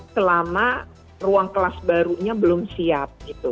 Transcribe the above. selama ruang kelas barunya belum siap